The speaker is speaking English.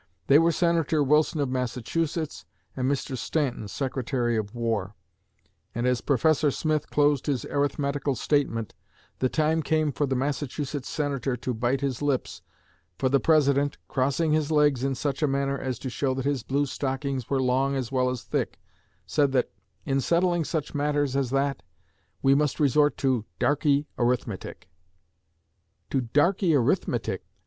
They were Senator Wilson of Massachusetts and Mr. Stanton, Secretary of War; and, as Professor Smith closed his arithmetical statement, the time came for the Massachusetts Senator to bite his lips, for the President, crossing his legs in such a manner as to show that his blue stockings were long as well as thick, said that, in settling such matters as that, we must resort to 'darkey arithmetic.' 'To darkey arithmetic!'